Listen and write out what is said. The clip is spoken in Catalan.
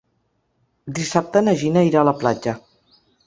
Dissabte na Gina irà a la platja.